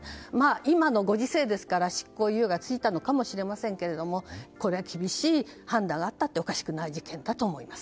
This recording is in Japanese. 今のご時世ですから執行猶予がついたのかもしれませんがこれは厳しい判断があったっておかしくない事件だと思います。